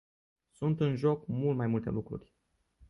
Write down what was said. Sunt în joc mult mai multe lucruri.